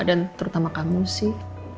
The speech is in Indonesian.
dan terutama kamu sih